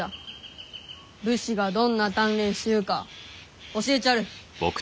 武士がどんな鍛錬しゆうか教えちゃる。